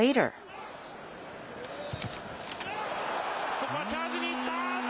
ここはチャージに行った。